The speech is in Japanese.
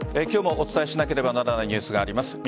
今日もお伝えしなければならないニュースがあります。